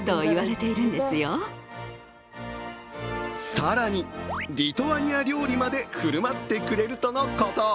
更に、リトアニア料理まで振る舞ってくれるとのこと。